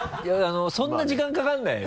そんな時間かからないよね。